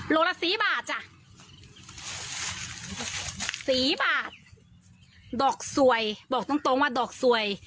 โลละสี่บาทจ้ะสี่บาทดอกสวยบอกตรงตรงว่าดอกสวย